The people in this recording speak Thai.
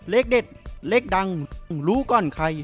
เลขเด็ดเลขดังรู้ก่อนใคร